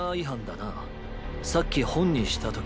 さっき「本にした時」